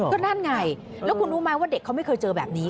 ก็นั่นไงแล้วคุณรู้ไหมว่าเด็กเขาไม่เคยเจอแบบนี้